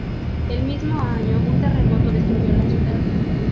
El mismo año un terremoto destruyó la ciudad.